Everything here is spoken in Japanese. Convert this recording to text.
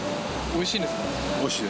おいしいです。